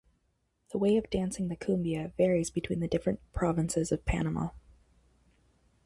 The way of dancing the cumbia varies between the different provinces of Panama.